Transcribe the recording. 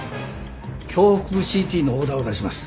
胸腹部ＣＴのオーダーを出します。